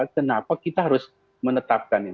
kenapa kita harus menetapkan ini